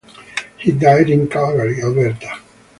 He died in Calgary, Alberta.